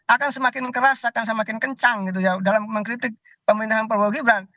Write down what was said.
akan semakin keras akan semakin kencang gitu ya dalam mengkritik pemerintahan prabowo gibran